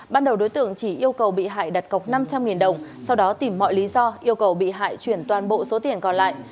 ban đầu đối tượng chỉ yêu cầu bị hại đặt cọc năm trăm linh đồng sau đó tìm mọi lý do yêu cầu bị hại chuyển toàn bộ số tiền còn lại